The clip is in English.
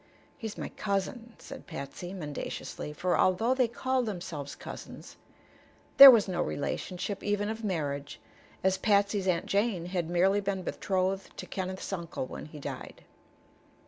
"He's my cousin," said Patsy, mendaciously; for although they called themselves cousins there was no relationship even of marriage, as Patsy's Aunt Jane had merely been betrothed to Kenneth's uncle when he died.